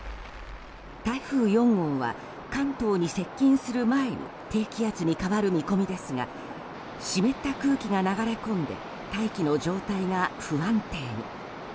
台風４号は関東に接近する前に低気圧に変わる見込みですが湿った空気が流れ込んで大気の状態が不安定に。